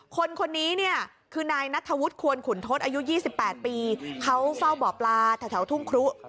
คนนี้เนี่ยคือนายนัทธวุฒิควรขุนทศอายุ๒๘ปีเขาเฝ้าบ่อปลาแถวทุ่งครุ